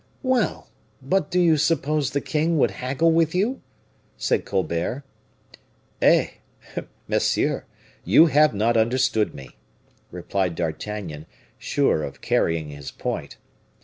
"Well! but do you suppose the king would haggle with you?" said Colbert. "Eh! monsieur, you have not understood me," replied D'Artagnan, sure of carrying his point.